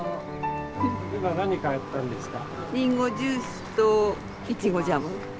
今何買ったんですか？